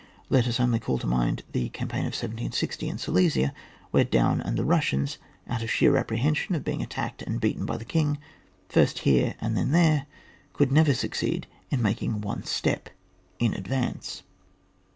Let us only call to mind the campaign of 1760, in Silesia, where Daun and the Eussians, out of sheer apprehension of being at tacked and beaten by the king, first here and then there, never could succeed in making one step in advance.